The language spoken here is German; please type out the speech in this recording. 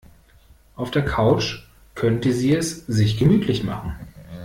Auf der Couch könnte sie es sich gemütlich machen.